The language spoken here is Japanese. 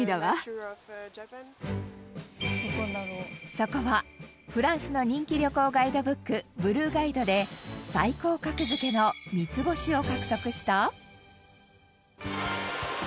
そこはフランスの人気旅行ガイドブック『ブルーガイド』で最高格付けの三ツ星を獲得した。